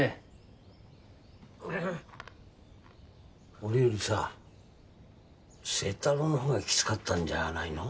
俺よりさ星太郎のほうがきつかったんじゃないの？